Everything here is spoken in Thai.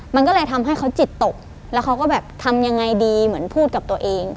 มันก็เลยทำให้เขาจิตตกแล้วเขาก็แบบทำยังไงดีเหมือนพูดกับตัวเอง